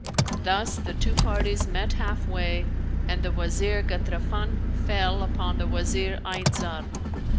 Thus the two parties met halfway and the Wazir Ghatrafan fell upon the Wazir, Ayn Zar.